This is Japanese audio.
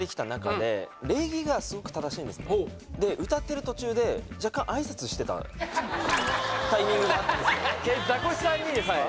で歌ってる途中で若干挨拶してたタイミングがあったんですよ